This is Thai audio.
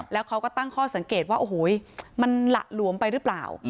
แล้วเขาก็ตั้งข้อสังเกตว่าโอ้โหมันหละหลวมไปหรือเปล่า